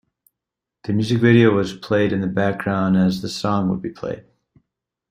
The music video was played in the background as the song would be played.